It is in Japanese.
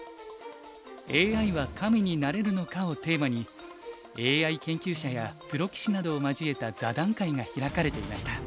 「ＡＩは神になれるのか？」をテーマにＡＩ研究者やプロ棋士などを交えた座談会が開かれていました。